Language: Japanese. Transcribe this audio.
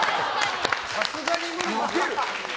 さすがに無理ですけど。